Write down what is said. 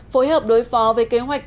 phối hợp đối phó về kế hoạch